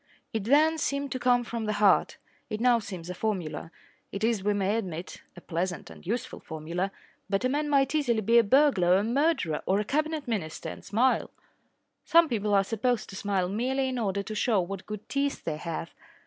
It then seemed to come from the heart. It now seems a formula. It is, we may admit, a pleasant and useful formula. But a man might easily be a burglar or a murderer or a Cabinet Minister and smile. Some people are supposed to smile merely in order to show what good teeth they have.